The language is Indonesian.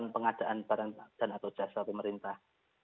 pengadaan barang dan atau jasa pemerintah